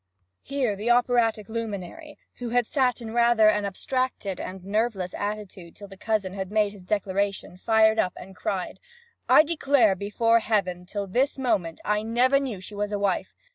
Here the operatic luminary, who had sat in rather an abstracted and nerveless attitude till the cousin made his declaration, fired up and cried: 'I declare before Heaven that till this moment I never knew she was a wife!